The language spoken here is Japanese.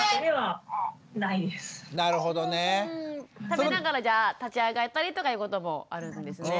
食べながらじゃあ立ち上がったりとかいうこともあるんですね。